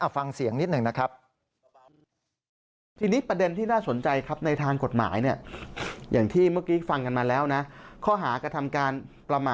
ฟังเสียงนิดหนึ่งนะครับ